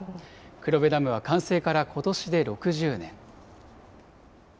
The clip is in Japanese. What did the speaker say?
黒部ダムは完成からことしで６０年。